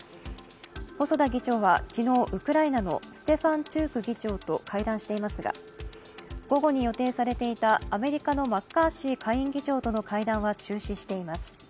細田議長は昨日ウクライナのステファンチューク議長と会談していますが午後に予定されていたアメリカのマッカーシー下院議長との会談は中止しています。